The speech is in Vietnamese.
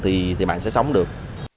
thì bạn sẽ sống được